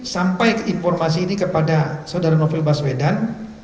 sampai informasi ini kepada saudara novel baswedan